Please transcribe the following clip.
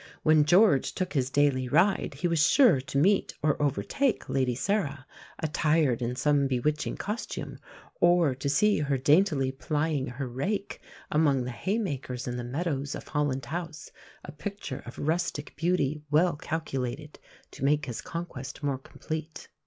When George took his daily ride he was sure to meet or overtake Lady Sarah, attired in some bewitching costume; or to see her daintily plying her rake among the haymakers in the meadows of Holland House, a picture of rustic beauty well calculated to make his conquest more complete.